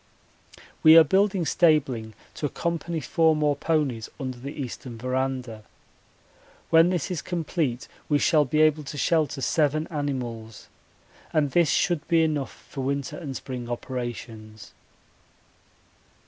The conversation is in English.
We are building stabling to accommodate four more ponies under the eastern verandah. When this is complete we shall be able to shelter seven animals, and this should be enough for winter and spring operations.